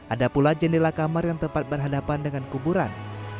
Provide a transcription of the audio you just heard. ada pula jendela kamar yang tempat berhadapan dengan kuburan